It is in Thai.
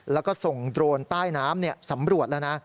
แล้วก็ส่งโดรนใต้น้ำสำรวจแล้วนะ